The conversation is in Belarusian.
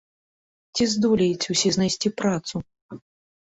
Ці здолеюць усе знайсці працу?